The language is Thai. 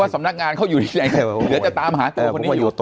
ว่าสำนักงานเขาอยู่ที่ไหนเหลือจะตามหาตัวคนนี้อยู่